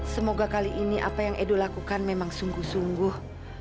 semoga kali ini apa yang edo lakukan memang sungguh sungguh